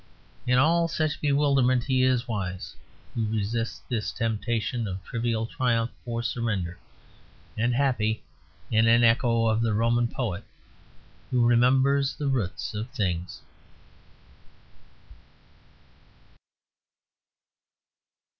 In all such bewilderment he is wise who resists this temptation of trivial triumph or surrender, and happy (in an echo of the Roman poet) who remembers the roots of things.